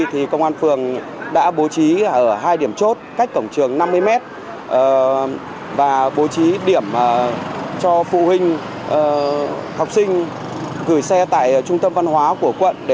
thì công an phường đã bố trí ở hai điểm chốt cách cổng trường năm mươi mét và bố trí điểm cho phụ huynh học sinh gửi xe tại trung tâm văn hóa của quận